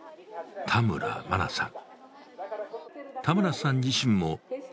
田村真菜さん。